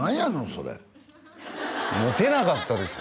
それモテなかったですよ